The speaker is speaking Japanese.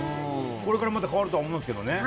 これからまた変わるとは思いますけどね。